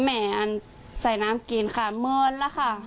แม่อันใส่น้ำกินค่ะเหมือนล่ะค่ะ